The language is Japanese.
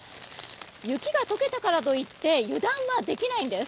雪が解けたからといって油断はできないんです。